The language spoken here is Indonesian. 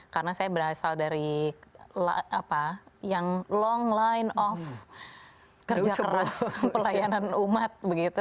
karena saya berasal dari yang long line of kerja keras pelayanan umat